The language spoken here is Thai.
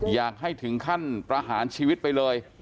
อยากให้ถึงขั้นประหารชีวิตไปเลย